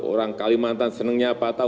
orang kalimantan senangnya apa tahu